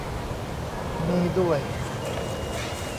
มี ด้วย